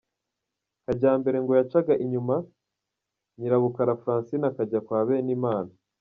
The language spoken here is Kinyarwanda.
Kajyambere ngo yacaga inyuma Nyirabukara Francine akajya kwa Benimana.